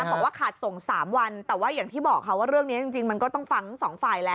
บอกว่าขาดส่ง๓วันอย่างที่บอกว่าเรื่องนี้มันก็ต้องฝังทั้ง๒ฝ่ายแล้ว